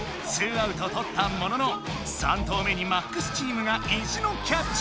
アウトとったものの３投目に「ＭＡＸ」チームが意地のキャッチ！